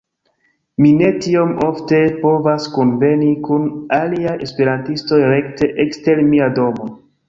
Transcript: Mi ne tiom ofte povas kunveni kun aliaj esperantistoj rekte ekster mia domo.